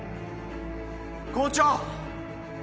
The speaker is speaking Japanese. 校長。